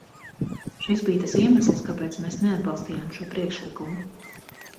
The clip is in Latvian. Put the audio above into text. Šis bija tas iemesls, kāpēc mēs neatbalstījām šo priekšlikumu.